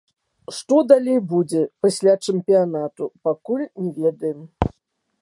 Што далей будзе, пасля чэмпіянату, пакуль не ведаем.